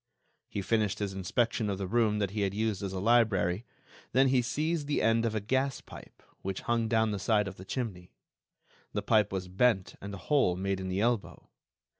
He finished his inspection of the room that he had used as a library; then he seized the end of a gas pipe, which hung down the side of the chimney. The pipe was bent and a hole made in the elbow.